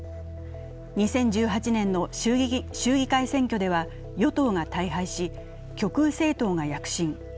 ２０１８年の州議会選挙では、与党が大敗し、極右政党が躍進。